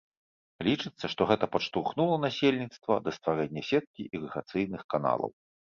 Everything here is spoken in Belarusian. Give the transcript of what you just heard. Лічыцца, што гэта падштурхнула насельніцтва да стварэння сеткі ірыгацыйных каналаў.